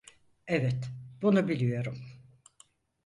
Evet, bunu biliyorum.